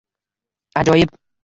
— Ajoyib.